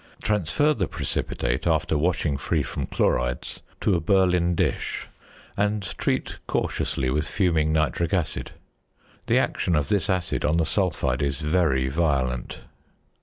Transfer the precipitate (after washing free from chlorides) to a Berlin dish, and treat cautiously with fuming nitric acid. The action of this acid on the sulphide is very violent.